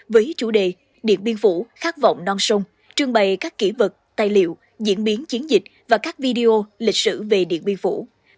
với chủ đề điện biên phủ khát vọng non sông trưng bày các kỹ vật tài liệu diễn biến chiến dịch và các video lịch sử về điện biên phủ